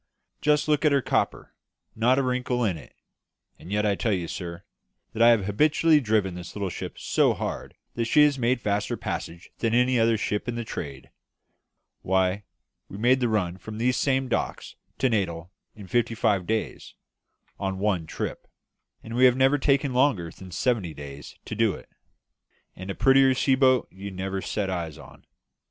just look at her copper not a wrinkle in it; and yet I tell you, sir, that I have habitually driven this little ship so hard that she has made faster passages than any other ship in the trade. Why, we made the run from these same docks to Natal in fifty five days, on one trip; and we have never taken longer than seventy days to do it. And a prettier sea boat you never set eyes on.